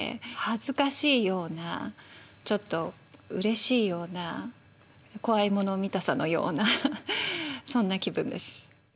恥ずかしいようなちょっとうれしいような怖いもの見たさのようなそんな気分です。